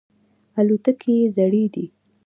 الوتکې یې زړې دي.